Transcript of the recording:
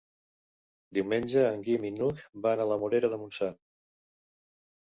Diumenge en Guillem i n'Hug van a la Morera de Montsant.